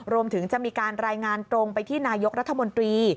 รวมถึงจะมีการรายงานตรงไปที่นายกรัฐมนตรี